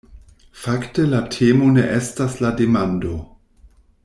Fakte la temo ne estas la demando.